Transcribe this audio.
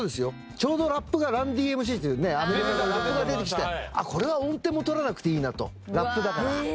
ちょうどラップがＲｕｎ−Ｄ．Ｍ．Ｃ．っていうアメリカからラップが出てきてこれは音程も取らなくていいなとラップだから。